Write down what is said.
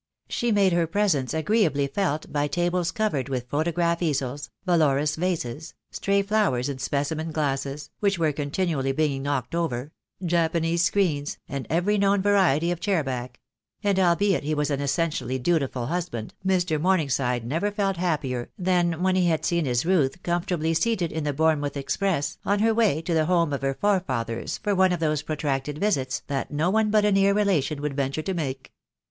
She made her presence agreeably felt by tables covered with photograph easels, Vallauris vases, stray flowers in specimen glasses, which were continually being knocked over, Japanese screens, and every known variety of chair back; and albeit he was an essentially dutiful husband, Mr. Morningside never felt happier than when he had seen his Ruth comfortably seated in the Bournemouth express on her way to the home of her forefathers for one of those protracted visits that no one but a near relation would venture to make.